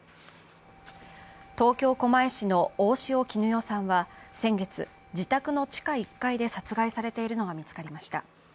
東京・狛江市の大塩衣与さんは先月、自宅の地下１階で殺害されているのが見つかりました。